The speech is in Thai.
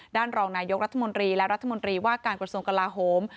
รองนายกรัฐมนตรีและรัฐมนตรีว่าการกระทรวงกลาโหม